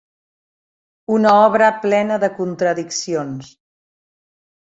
Una obra plena de contradiccions.